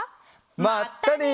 まったね！